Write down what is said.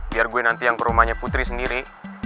biar gue nanti yang ke rumahnya putri sendiri